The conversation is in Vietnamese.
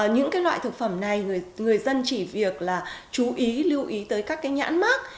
những loại thực phẩm này người dân chỉ việc là chú ý lưu ý tới các cái nhãn mát